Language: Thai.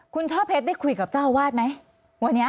คุณช่อเพชรได้คุยกับเจ้าอาวาสไหมวันนี้